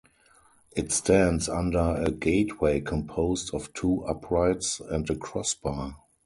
It stands under a gateway composed of two uprights and a crossbar.